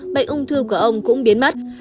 bệnh ung thư của ông cũng biến mất